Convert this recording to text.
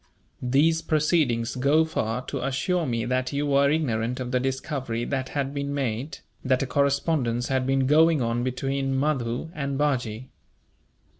These proceedings go far to assure me that you were ignorant of the discovery that had been made, that a correspondence had been going on between Mahdoo and Bajee.